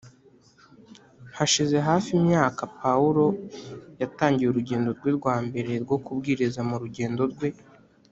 Hashize hafi imyaka Pawulo yatangiye urugendo rwe rwa mbere rwo kubwiriza Mu rugendo rwe